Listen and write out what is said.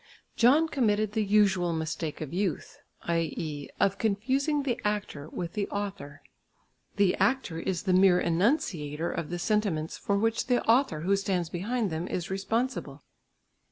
John committed the usual mistake of youth, i.e. of confusing the actor with the author; the actor is the mere enunciator of the sentiments for which the author who stands behind him, is responsible.